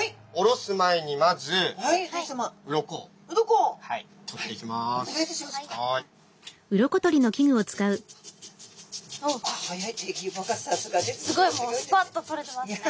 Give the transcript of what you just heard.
すごいもうスパッと取れてますね。